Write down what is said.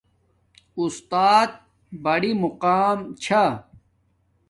اُستات بڑی مقام چھا